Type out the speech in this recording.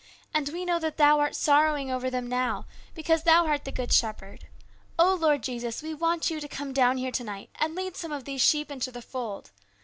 And we know that Thou art sorrowing over them now, because Thou art the Good Shepherd. Oh, Lord Jesus, we want You to come down here to night and lead some of these sheep into the fold.